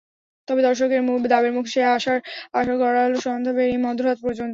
তবে দর্শকের দাবির মুখে সেই আসর গড়াল সন্ধ্যা পেরিয়ে মধ্যরাত পর্যন্ত।